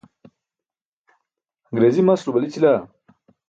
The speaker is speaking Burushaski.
aṅriizi maslo balićila?